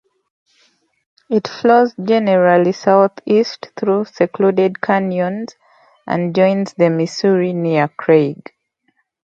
It flows generally southeast through secluded canyons, and joins the Missouri near Craig.